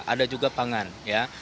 ada juga pangan ya